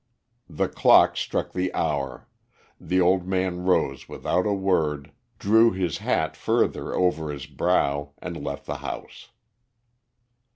The clock struck the hour; the old man rose without a word, drew his hat further over his brow, and left the house.